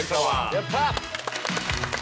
やった！